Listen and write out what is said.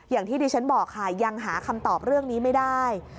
อย่างที่ดิฉันบอกค่ะยังหาคำตอบเรื่องนี้ไม่ได้